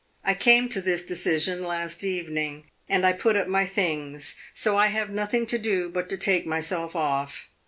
I came to this decision last evening, and I put up my things; so I have nothing to do but to take myself off.